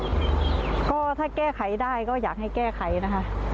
ก็ถ้าแก้ไขได้ก็อยากให้แก้ไขนะคะ